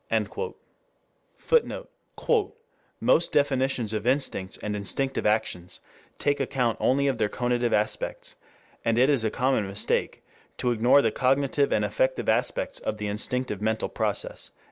[Footnote: "Most definitions of instincts and instinctive actions take account only of their conative aspects... and it is a common mistake to ignore the cognitive and affective aspects of the instinctive mental process."